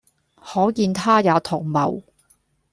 可見他也同謀，